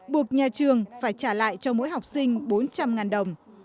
buộc nhà trường phải trả lại cho mỗi học sinh bốn trăm linh đồng